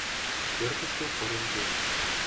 Пӧртӹшкӹ пырен кевӹ.